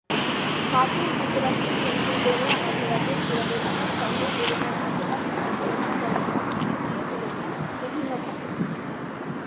মার্কিন যুক্তরাষ্ট্রের পেনসিলভানিয়া অঙ্গরাজ্যের ফিলাডেলফিয়া শহর এবং এর আশেপাশের অঞ্চলকে চলচ্চিত্র ফুটিয়ে তুলেছেন বিভিন্নভাবে।